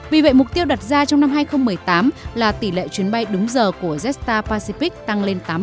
vì vậy mục tiêu đặt ra trong năm hai nghìn một mươi tám là tỷ lệ chuyến bay đúng giờ của jetstar pacific tăng lên tám mươi